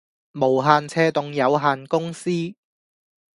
無限斜棟有限公司